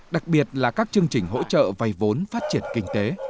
đặc biệt là các chương trình hỗ trợ vay vốn phát triển kinh tế